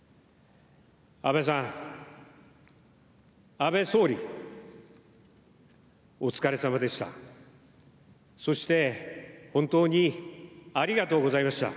安倍さん、安倍総理お疲れ様でした。